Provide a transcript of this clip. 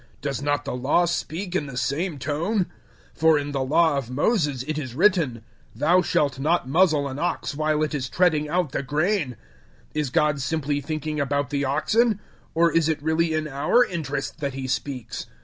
Does not the Law speak in the same tone? 009:009 For in the Law of Moses it is written, "Thou shalt not muzzle an ox while it is treading out the grain." 009:010 Is God simply thinking about the oxen? Or is it really in our interest that He speaks?